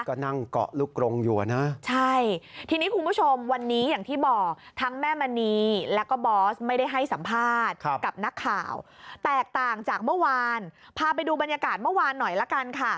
ก็นั่งเกาะลูกกรงอยู่นะใช่ทีนี้คุณผู้ชมวันนี้อย่างที่บอก